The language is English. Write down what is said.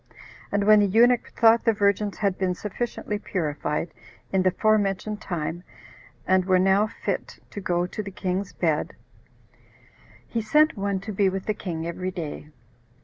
And when the eunuch thought the virgins had been sufficiently purified, in the fore mentioned time, and were now fit to go to the king's bed, he sent one to be with the king every day.